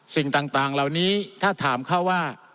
สิ่งต่างเหล่านี้ถ้าถามเขาว่า